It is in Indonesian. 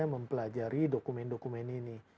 mempelajari dokumen dokumen ini